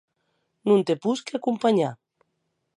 Non te posqui acompanhar?